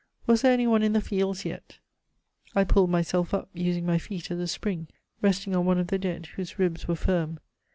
Was there any one in the fields yet? I pulled myself up, using my feet as a spring, resting on one of the dead, whose ribs were firm.